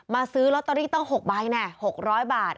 ซื้อลอตเตอรี่ต้อง๖ใบแน่๖๐๐บาท